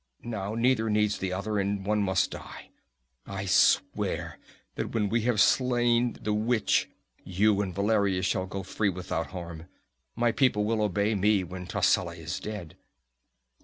Now neither needs the other, and one must die. I swear that when we have slain the witch, you and Valeria shall go free without harm. My people will obey me when Tascela is dead."